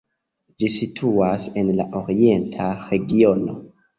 Ĝi situas en la Orienta regiono.